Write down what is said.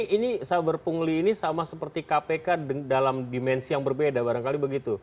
ini saber pungli ini sama seperti kpk dalam dimensi yang berbeda barangkali begitu